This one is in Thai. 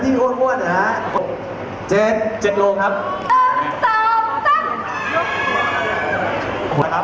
มีชุดสองนิ้วด้วย